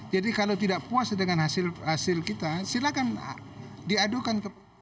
jadi kalau tidak puas dengan hasil hasil kita silakan diadukan ke pengadilan